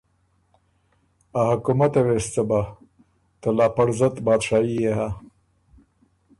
ا حکومته وې سو څۀ بَۀ، ته لاپړزت بادشايي يې هۀ